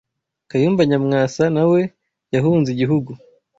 Kayumba Nyamwasa nawe yahunze igihugu